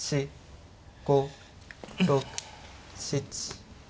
５６７。